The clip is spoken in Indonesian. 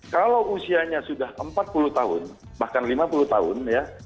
kalau usianya sudah empat puluh tahun bahkan lima puluh tahun ya